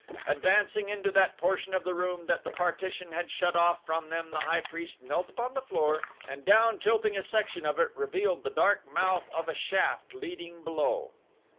Advancing into that portion of the room that the partition had shut off from them, the high priest knelt upon the floor, and down tilting a section of it, revealed the dark mouth of a shaft leading below.